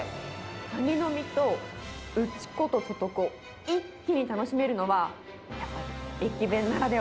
カニの身と内子と外子、一気に楽しめるのは、やっぱり駅弁ならでは。